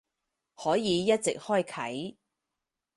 可以一直開啟